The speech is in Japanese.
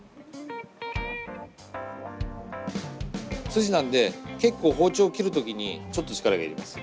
スジなんで結構包丁切る時にちょっと力がいります